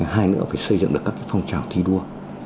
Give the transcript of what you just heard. hai nữa phải xây dựng được các phong trào thi đua